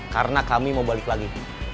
karena kami mau balik lagi